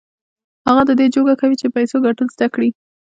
هغه د دې جوګه کوي چې د پيسو ګټل زده کړي.